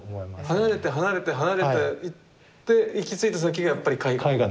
離れて離れて離れて行って行き着いた先がやっぱり絵画。